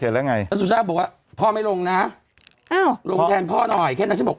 แล้วไงแล้วสุชาติบอกว่าพ่อไม่ลงนะอ้าวลงแทนพ่อหน่อยแค่นั้นฉันบอก